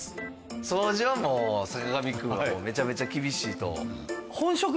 掃除はもう坂上くんはめちゃめちゃ厳しいと。